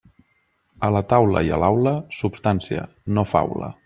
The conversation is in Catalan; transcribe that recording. A la taula i a l'aula, substància, no faula.